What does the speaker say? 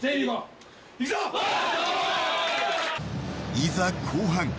いざ後半。